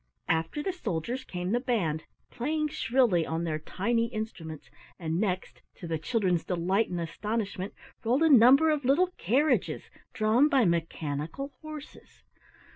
After the soldiers came the band, playing shrilly on their tiny instruments, and next, to the children's delight and astonishment, rolled a number of little carriages drawn by mechanical horses.